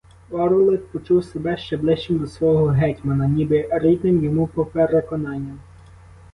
Орлик почув себе ще ближчим до свого гетьмана, ніби рідним йому по переконанням.